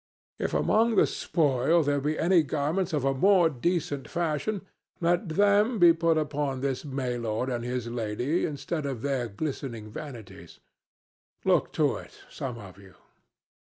If among the spoil there be any garments of a more decent fashion, let them be put upon this May lord and his Lady instead of their glistening vanities. Look to it, some of you."